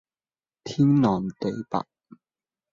天南地北